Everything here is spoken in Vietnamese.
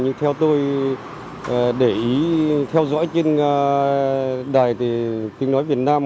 nhưng theo tôi để ý theo dõi trên đài tiếng nói việt nam